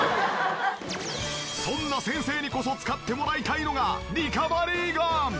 そんな先生にこそ使ってもらいたいのがリカバリーガン！